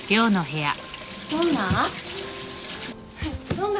どんな？